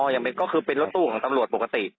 อย่างก็คือเป็นรถตู้ของตำรวจปกติ